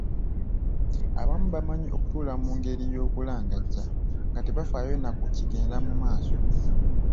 Abamu bamanyi okutuula mu ngero y’okulangajja, nga tebafaayo na ku kigenda mu maaso.